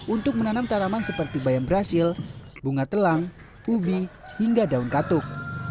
untuk menanam tanaman seperti bayam brazil bunga telang ubi hingga daun katuk